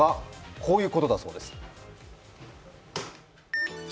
こういうことだそうです。